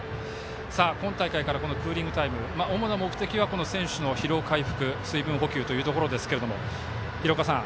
今大会からクーリングタイム主な目的は選手の疲労回復水分補給ということですが廣岡さん